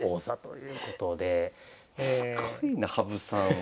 すごいな羽生さんは。